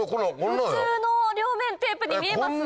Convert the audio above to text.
普通の両面テープに見えますね。